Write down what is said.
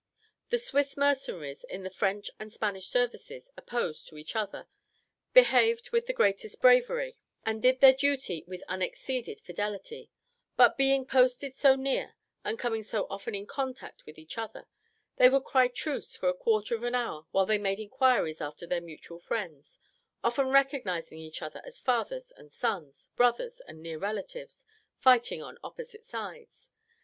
The Swiss mercenaries in the French and Spanish services, opposed to each other, behaved with the greatest bravery, and did their duty with unexceeded fidelity; but being posted so near, and coming so often in contact with each other, they would cry truce for a quarter of an hour, while they made inquiries after their mutual friends; often recognizing each other as fathers and sons, brothers and near relatives, fighting on opposite sides.